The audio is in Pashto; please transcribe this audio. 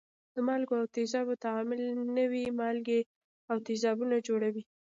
د مالګو او تیزابو تعامل نوي مالګې او تیزابونه جوړوي.